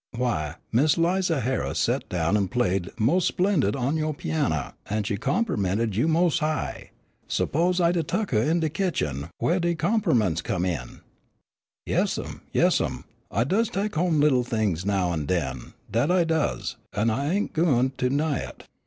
W'y, Miss 'Liza Harris set down an' played mos' splendid on yo' pianna, an' she compermented you mos' high. S'pose I'd a tuck huh in de kitchen, whaih de comperments come in? "Yass'm, yass'm, I does tek home little things now an' den, dat I does, an' I ain't gwine to 'ny it.